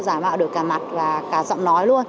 giả mạo được cả mặt và cả giọng nói luôn